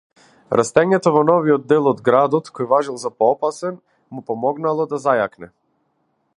Растењето во новиот дел од градот, кој важел за поопасен, му помогнално да зајакне.